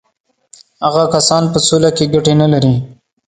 هغه کسان په سوله کې ګټې نه لري.